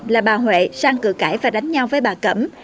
là bà huệ sang cửa cãi và đánh nhau với bà cẩm